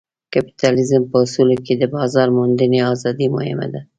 کپیټالیزم په اصولو کې د بازار موندنې ازادي مهمه ده.